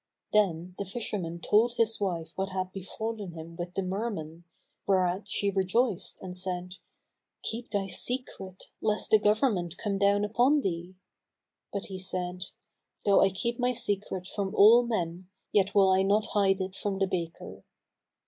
Then the fisherman told his wife what had befallen him with the Merman, whereat she rejoiced and said, "Keep thy secret, lest the government come down upon thee;" but he said, "Though I keep my secret from all men, yet will I not hide it from the baker."